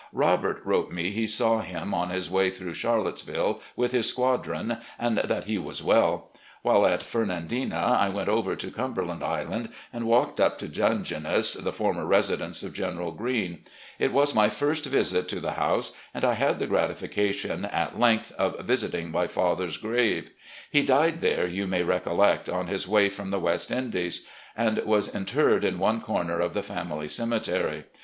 Robert wrote me he saw him on his way through Charlottesville with his squadron, and that he was well. While at Femandina I went over to Cumber land Island and walked up to 'Dungeness,' the former residence of General Green. It was my first visit to the house, and I had the gratification at length of visiting my father's grave. He died there, you may recollect, on his way from the West Indies, and was interred in one comer of the family cemetery.